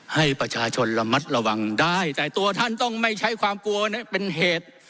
ให้ประชาชนระมัดระวังได้แต่ตัวท่านต้องไม่ใช้ความกลัวเป็นเหตุ